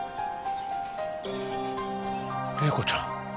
麗子ちゃん